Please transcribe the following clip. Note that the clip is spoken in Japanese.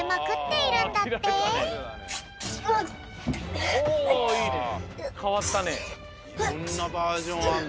いろんなバージョンあるんだ。